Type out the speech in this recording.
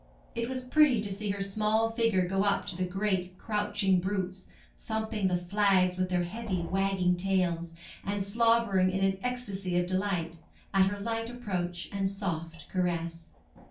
It was pretty to see her small figure go up to the great, crouching brutes thumping the flags with their heavy, wagging tails, and slobbering in an ecstacy of delight, at her light approach and soft caress.